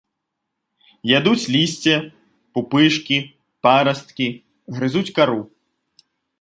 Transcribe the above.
Ядуць лісце, пупышкі, парасткі, грызуць кару.